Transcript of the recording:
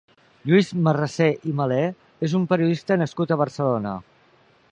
Lluís Marrasé i Meler és un periodista nascut a Barcelona.